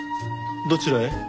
どちらへ？